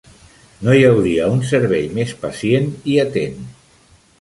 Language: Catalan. No hi hauria un servei més pacient i atent.